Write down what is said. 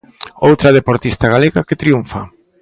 Outra deportista galega que triunfa.